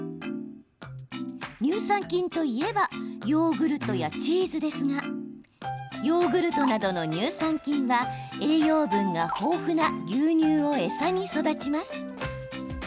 乳酸菌といえばヨーグルトやチーズですがヨーグルトなどの乳酸菌は栄養分が豊富な牛乳を餌に育ちます。